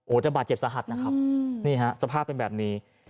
โอ้จับบาดเจ็บสะหัสนะครับสภาพเป็นแบบนี้